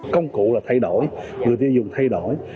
công cụ là thay đổi người tiêu dùng thay đổi